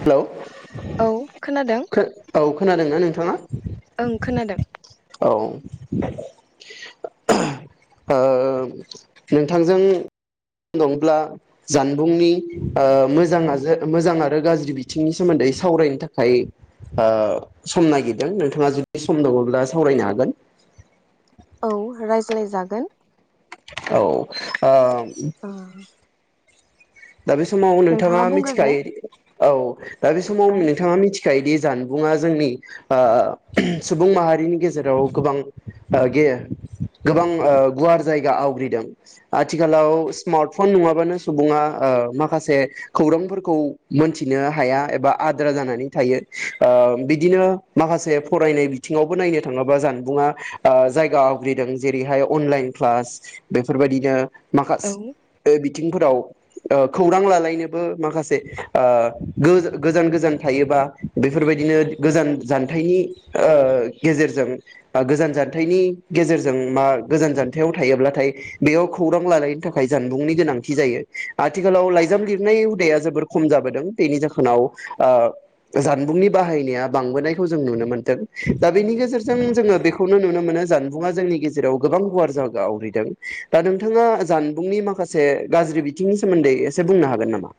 Hello औ खोनादों खो औ खोनादों ना नों थाङा ओं खोनादों। औ ओ नोंथांजों दंब्ला जानबुंनि ओ मोजां आजो मोजां आरो गाज्रि बिथिंनि सोमोन्दै सावरायनो थाखाय ओ सम नागिरदों नोंथाङा जुदि सम दङ'ब्ला सावरायनो हागोन औ रायज्लाय जागोन। औ आ [inaudible] ओ दा बे समाव नोंथाङा मिथिखायो। औ दा बे समाव ओं। नोंथाङा मिथि खायो दि जानबुङा जोंनि आ सुबुं माहारिनि गेजेराव गोबां ओ गे गोबां ओ गुवार जायगा आवग्रिदों। आथिखालाव स्मार्टफन नङाबानो सुबुङा आ माखासे खौरांफोरखौ मोनथिनो हाया एबा आद्रा जानानै थायो। ओ बिदिनो माखासे फरायनाय बिथिङावबो नायनो थाङोबा जानबुङा जायगा आ आवग्रिदों। जेरैहाय अनलाइन क्लास बेफोरबायदिनो औ माखास बे बिथिंफोराव ओ खौरां लालायनोबो माखासे ओ गोज गोजान गोजान थायोबा बेफोरबायदिनो गोजान जानथाइनि ओ गेजेरजों ओ गोजान जानथाइनि गेजेरजों मा गोजान जानथायाव थायोब्लाथाय बेयाव खौरां लालायनो थाखाय जानबुंनि गोनांथि जायो। आथिखालाव लाइजाम लिरनाय हुदाया जोबोर खम जाबोदों। बेनि जाहोनाव आ जानबुंनि बाहायनाया बांबोनायखौ जों नुनो मोन्दों। दा बेनि गेजे रजों जोङो बेखौनो नुनो मोनो जान बुङा जोंनि गेजेराव गोबां गुवार जागा आवग्रिदों। दा नोंथाङा जानबुंनि माखासे गाज्रि बि थिंनि सोमोन्दै एसे बुंनो हागोन नामा?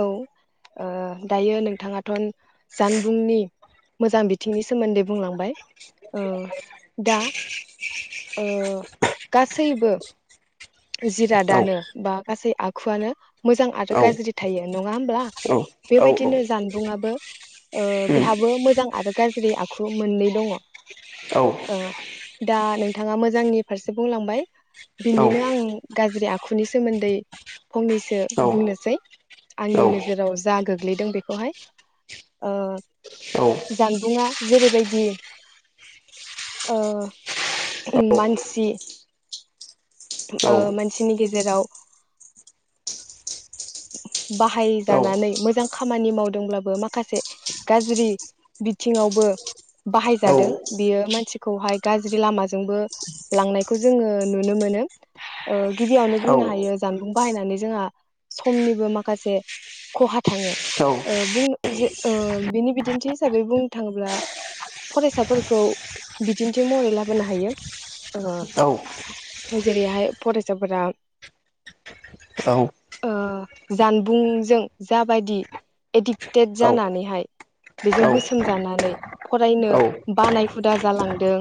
औ ओ दायो नोंथाङाथ'न जानबुंनि मोजां बिथिंनि सोमोन्दै बुंलांबाय ओ दा ओ गासैबो औ जिरादानो बा गासै आ खुवानो मोजां आरो औ गाज्रि थायो नङा होमब्ला औ औ बेबायदिनो जानबुंआबो ओ उम बेहाबो मोजां आरो गाज्रि आखु मोननै दङ औ ओ दा नोंथाङा मोजांनि फारसे बुंलांबाय औ बिनिनो आं गाज्रि आख खुनि सोमोन्दै फंनैसो औ बुंनोसै औ आंनि नोजोराव जागो गोग्लैदों बेखौहाय ओ औ जानबुंआ जेरैबायदि ओ औ मानसि ओ मानसिनि गेजेराव बाहायजानानै मोजां खामानि मावद दोंब्लाबो माखासे गाज्रि बिथिङावबो बाहायजादों बियो मानसिखौहाय गाज्रि लामाजोंबो लांनायखौ जोङो नुनो मोनो ओ गिबियावनो औ बुंनो हायो जानबुं बाहायनानै जोंहा समनिबो माखासे खहा थाङो ओ बुं जे ओ बिनि बिदिन्थि हिसाबै बुंनो थाङोब्ला फरायसाफोरखौ बिदिन्थि महरै लाबोनो हायो। ओ औ जेरैहाय फरायसाफोरा औ ओ जानबुंजों जाबायदि एडिक्टेड जानानैहाय बेजों बोसोनजानानै फरायनो बानाय हु हुदा जालांदों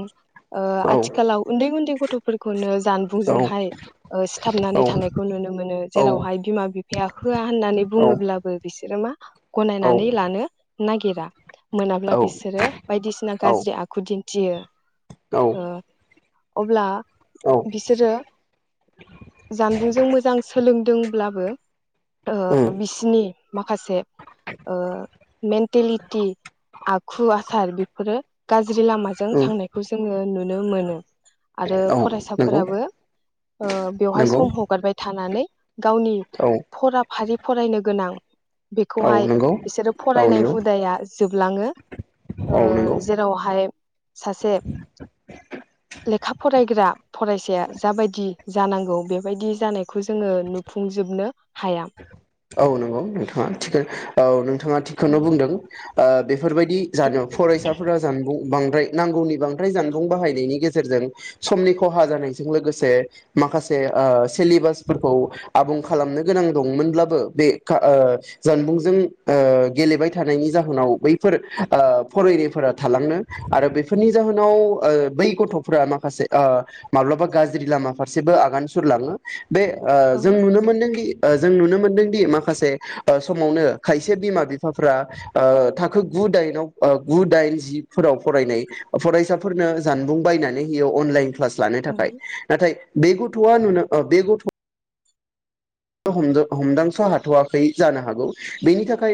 ओ आथिखालाव उन्दै उन्दै गथ'फोरखौनो जानबुंजोंहाय ओ सिथाबनानै थानायखौ नुनो मोनो। जेरावहाय बिमा बिफाया होआ होननानै बुङोब्लाबो बिसोरो मा गनायनानै लानो नागिरा मोनाब्ला बिसोरो बायदिसिना गाज्रि आखु दिन्थियो ओ अब्ला औ बिसोरो जानबुंजों मोजां सोलोंदों ब्लाबो उम बिसिनि माखासे मेन्टेलिटि आखु आसार बेफोरो गाज्रि लामाजों उम थांनायखौ जोङो नुनो मोनो आरो ओ औ नंगौ फरायसाफोराबो बेवहाय नंगौ सम हगारबाय थानानै गावनि औ फराफारि फरायनो गोनां औ बेखौहाय नंगौ बिसोरो औ नंगौ फरायनाय हुदाया जोबलाङो ओ औ नंगौ जेरावहाय सासे लेखा फरायग्रा फरायसाया जाबायदि जानांगौ बेबायदि जानायखौ जोङो नु फुंजोबनो हाया। औ नंगौ [unintelligible] औ बिथाङा औ थिगखौनो बुंदों ओ बेफोरबायदि जानो फरायसाफोरा जानबुं बांद्राय नांगौनि बांद्राय जानबुं बाहायनायनि गेजेरजों समनि खहा जानायजों लोगोसे माखासे ओ सिलेबासफोरखौ आबुं खालामनो गोनां दंमोनब्लाबो बे ओ जानबुंजों ओ गेलेबाय थानायनि जाहोनाव बैफोर ओ फरायनायफोरा थालांनो आरो बेफोरनि जाहोनाव ओ बै गथ'फोरा माखासे ओ माब्लाबा गाज्रि लामा फारसेबो आगान सुरलाङो। बे ओ औ जों नुनो मोन्दोंदि ओ जों नुनो मोन्दों दि माखासे समावनो खायसे बिमा बिफाफोरा ओ थाखो गु दाइन गु दाइन जि फोराव फरायनाय फरायसाफोरनो जानबुं बायनानै होयो अनलाइन क्लास लानो औ थाखाय नाथाय बे गथ'वा नुनो ओ बे गथ' हमदांस' हाथ'वाखै जानो हागौ बेनि थाखाय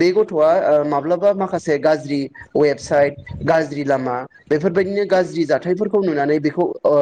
बे गथ'आ ओ माब्ला मा माखासे गाज्रि वेबसाइट गाज्रि लामा बेफोरबायदिनो गाज्रि जाथायफोरखौ नुनानै बेखौ ओ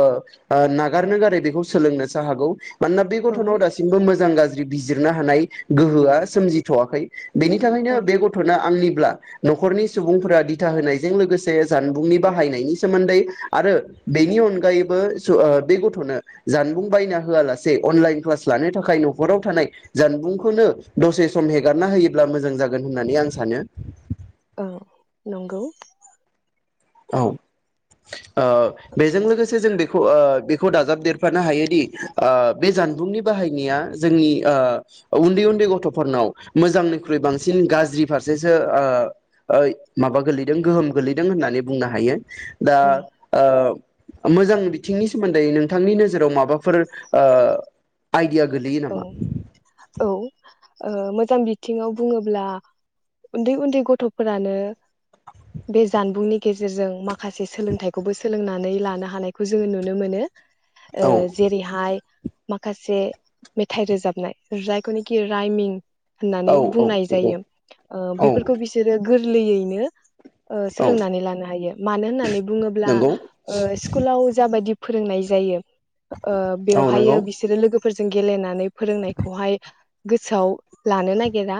नागारनो गारै बेखौ सोलोंनोसो हागौ। मानोना बे औ गथ'नाव दासि मोजां गाज्रि बिजिरनो हानाय गोहोआ सोमजिथ'वाखै। बेनि औ थाखायनो बे गथ'नो आंनिब्ला न'खरनि सुबुंफोरा दिथा होनायजों लोगोसे जानबुंनि बाहायनायनि सोमोन्दै आरो बेनि अनगायैबो सो ओ बे गथ'नो जानबुं बायना होआलासे अनलाइन क्लास लानो थाखाय न'खराव थानाय जानबुंखौनो दसे सम होगारना होयोब्ला मोजां जागोन होननानै आं सानो। ओं नंगौ। औ। ओ बेजों लोगोसे जों बे ओ दाजाबदेरफानो हायोदि ओ बे जानबुंनि बाहायनाय जोंनि ओ उन्दै उन्दै गथ'फोरनाव मोजांनिख्रुइ बांसिन गाज्रि फारसेसो ओ माबा गोैलैदों गोहोम गोैलैदों होन्नानै होननानै बुंनो हायो। दा औ ओ मोजां बिथिंनि सोमोन्दै नोंथांनि नोजोराव माबाफोर ओ आइडिया गोलैयो नामा। औ औ ओ मोजां बिथिङाव बुङोब्ला उन्दै उन्दै गथ'फोरानो बे जानबुंनि गेजेरजों माखासे सोलोंथाइखौबो सोलोंनानै लानो हानायखौ जोङो नुनो मोनो। ओ औ जेरैहाय माखासे मेथाइ रोजाबनाय जायखौ नखि रायमिं औ होननानै औ बुंनाय जायो ओ औ बेफोरखौ बिसोरो गोरलैयैनो ओ औ सोलोंनानै लानो हायो मानो होननानै बुङोब्ला नंगौ ओ स्कुलाव जाबायदि फोरोंनाय जायो। ओ औ नंगौ बेवहायो बिसोरो लोगोफोर फोर जों गेलेनानै फोरोंनायखौहाय गोसोआव लानो नागिरा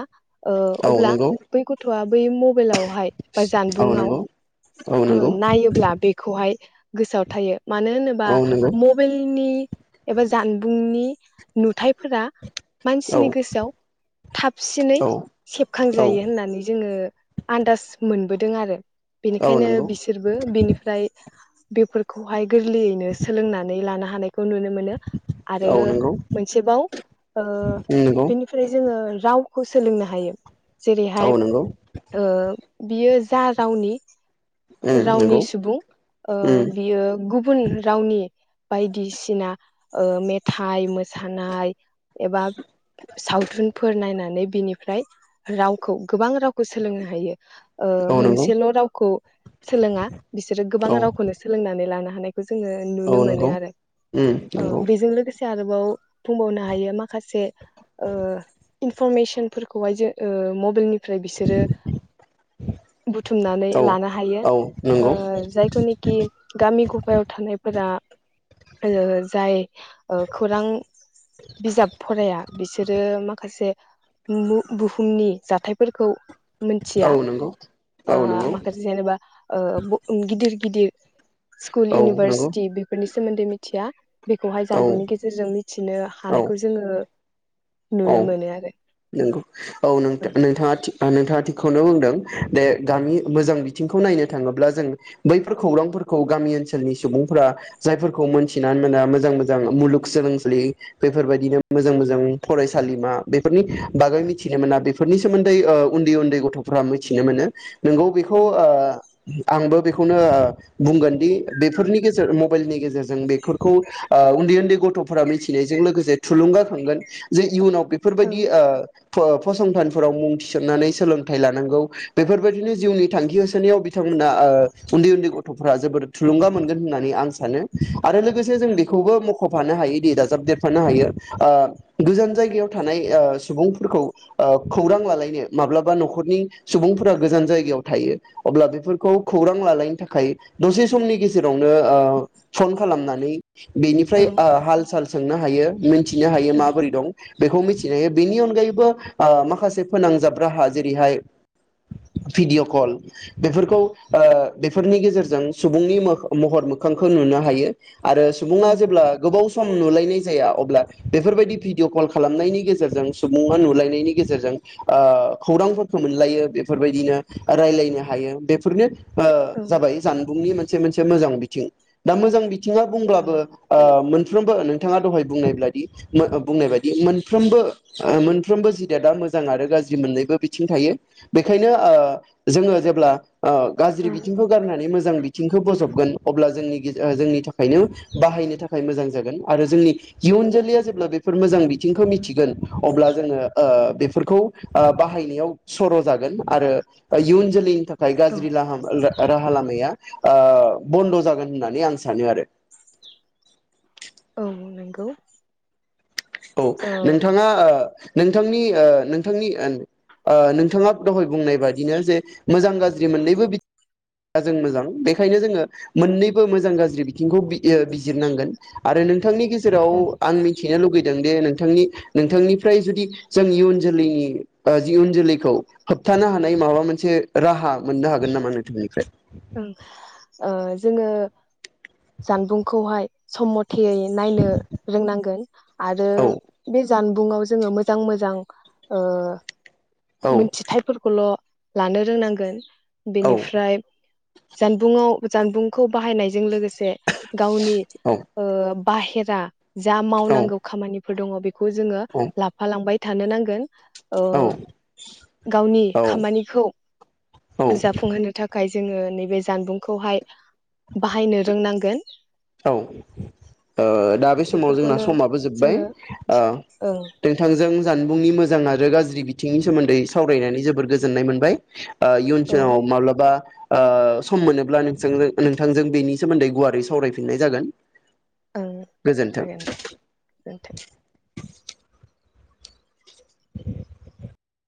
ओ औ अब्ला नंगौ बै गथ'आ बै मबाइलाव बा औ जानबुंआव नंगौ औ नंगौ नायोब्ला बेखौहाय गोसोआव थायो मानो होनोबा औ नंगौ मबाइलनि एबा जानबुंनि नुथाय फोर औ मानसिनि गोसोआव थाबसिनै औ औ सेबखांजायो होननानै जोंङो आन्दाज मोनबोदों आरो औ बेनिखायनो नंगौ बिसोरबो बिनिफ्राय बेफोरखौहाय गोरलैयैनो सोलोंनानै लानो हानाय खौ नुनो मोनो आरो औ नंगौ मोनसेबाव ओ नंगौ बेनिफ्राय जोंङो राव खौ सोलोंनो हायो औ जेरैहाय नंगौ ओ बियो जा रावनि रावनि नंगौ सुबुं बियो गुबुन रावनि बायदिसिना ओ मेथाइ मो सानाय एबा सावथुनफोर नायनानै बिनिफ्राय रावखौ गोबां रावखौ सोलोंनो हायो ओ औ नंगौ मोनसेल' रावखौ सोलोंङा बिसोरो गोबां औ रावखौनो सोलोंनानै लानो हाग जोंङो नुनो औ नंगौ मोनो आरो बेजों लोगोसे आरो औ बुंबावनो हायो माखासे इनफरमेसनफोरखौहाय जों ओ मबाइलनि ओमफ्राय बिसोरो बुथुमनानै औ लानो हायो औ ओ नंगौ जायखौनिखि गामि गफायाव थानायफोरा जाय खौरां बिजाब फराया बिसोरो माखासे बुहुमनि जाथायफोरखौ औ नंगौ मिथिया औ नंगौ ओ औ माखासे जेनेबा ओ गिदिर गिदिर स्कुल नंगौ इउनिभारसिटि बेफोरनि सोमोन्दै मिथिया बेखौहाय जानबुंनि गेजेरजों मि बिदिनो औ हानायखौ जोङो औ नुनो मोनो आरो। नंगौ औ नोंथाङा थिग नोंथाङा थिकखौनो बुंदों दे गामि मोजां बिथिंखौ नायनो थाङोब्ला जों बैफोर खौरांफोरखौ गामि ओनसोलनि सुबुंफोरा जायफोरखौ मोनथिनानै मोना मोजां मोजां मुलुग सोलोंसालि बेफोरबायदिनो मोजां मोजां फरायसालिमा बे बेफोरनि बागै मिथिनो मोना बेफोरनि सोमोन्दै उन्दै उन्दै गथ'फोरा मिथिनो मोनो नोंगौ बेखौ औ आंबो बेखौ बेखोनो बुंगोन दि बेफोरनि गेजेर मबाइलनि गेजेरजों बेफोरखौ उन्दै उन्दै गथ'फोरा मिथिनायजों लोगोसे थुलुंगाखांगोन जे इयुनाव बेफोरबायदि औ फसंथानफोराव मुं थिसननानै सोलोंथाइ लानांगौ बेफोरबायदिनो जिउनि थांखि होसोनायाव बिथांमोना उन्दै उन्दै गथ'फोरा्रा जोबोद थुलुंगा मोनगोन होननानै आं सानो। आरो लोगोसे जों बेखौबो हफानो हायो दि दाजाबदेरफानो हायो गोजान जायगायाव थानाय सुबुंफोरखौ खौरां लालायनो माब्लाबा न'खरनि सुबुंफोरा गोजान जायगायाव थायो अब्ला बेफोरखौ खौरां लालायनो थाखाय दसे समनि गेजेरावनो फन खालामनानै बेनिफ्राय औ हाल साल सोंनो हायो। मिथिनो हायो औ माबोरै दं। बेखौ मिथिनो हायो बेनि अनगायैबो माखासे फोनांजाब राहा जेरैहाय भिडिअ' कल बेफोरखौ ओ बेफोरनि गेजेरजों सुबुंनि महर मोखांखौ नुनो हायो। आरो औ सुबुङा जेब्ला गोबाव सम सम नुलायनाय जाया अब्ला बेफोरबायदि भिडिअ कल खालामनायनि गेजेरजों सुबुङा नुलायनायनि गेजेरजों खौरांफोरखौ मोनलायो बेफोरबायदिनो रायलायनो हायो बेफोरनो जाबाय जानबुंनि मोनसे मोनसे मोजां बिथिं दा मोजां बि बिथाङा औ बुंब्लाबो ओ मोनफ्रोमबो नोंथाङा दहाय बुंनाय बायदि बुंनाय बायदि मोनफ्रोमबो मोनफ्रोमबो जिदया दा मोजां आरो गाज्रि मोननैबो बिथिं थायो बेखायनो ओ जोङो जेब्ला ओ गाज्रि बिथिंखौ गारनानै मोजां बिथिंखौ बजबगोन अब्ला जोंनि जोंनि थाखायनो बाहायनो थाखाय मोजां जागोन आरो जोंनि इयुन जोलैया जेब्ला बेफोर मोजां बिथिंखौ मिथिगोन अब्ला जोङो बेफोरखौ बाहायनायाव सर' जागोन आरो इयुन जोलैनि थाखाय ओमफ्राय औ गाज्रिलाम राहा लामाया बन्द' जागोन होननानै आं सानो आरो। औ नंगौ। औ ओ नोंथाङा नोंथांनि नोंथांनि नोंथाङा दहाय बुंनाय बादिनो जे मोजां गाज्रि मोननैबो बिथि जों मोजां बेखायनो जोङो मोननैबो मोजां गाज्रि बिथिंखौ बिजिरनांगोन आरो नोंथांनि ओं जेराव आं मिथिनो लुुबैयो नोंथांनि नोंथांनिफ्राय जुदि जोंनि इयुन जोलैनि जि इयुन जोलैखौ होबथानो हानाय माबा मोनसे राहा मोननो हागोन नामा नोंथांनिफ्राय। जोङो जानबुंखौहाय समम थयै नायनो रोंनांगोन आरो औ बे जानबुङाव जोङो मोजां मोजां ओ औ मिथिथायफोरखौल' लानो रोंनांगोन। औ बेनिफ्राय जानबुंआव जानबुंखौ बाहायनायजों लोगोसे गावनि औ ओ बाहेरा जा औ मावनांगौ खामानि फोर दङ बे खौ जोङो औ लाफालांबाय थानो नांगोन। ओ गावनि औ खामानिखौ औ जाफुंहोनो थाखाय जोङो नैबे जानबुंखौहाय बाहायनो रोंनांगोन। औ ओ दा बे समाव जोंना बेफोरखौनो समाबो जोब्बाय जोङो ओं नोंथांजों जानबुंनि मोजां आरो गाज्रि बिथिंनि सोमोन्दै सावरायनानै जोबोर गोजोननाय मोनबाय। ओ इयुन औ सङाव माब्लाबा ओ सम मोनोब्ला नों नोंथांजों बेनि सोमोन्दै गुवारै सावराय फिननाय जागोन। ओं गोजोन्थों। जागोन दे गोजोनथों।